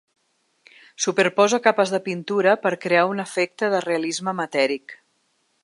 Superposa capes de pintura per crear un efecte de realisme matèric.